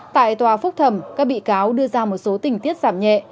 tại tòa phúc thẩm các bị cáo đưa ra một số tình tiết giảm nhẹ